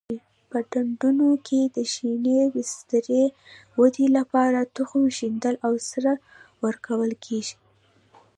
په ډنډونو کې د شینې بسترې ودې لپاره تخم شیندل او سره ورکول کېږي.